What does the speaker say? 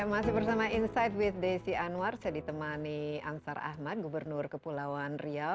masih bersama insight with desi anwar saya ditemani ansar ahmad gubernur kepulauan riau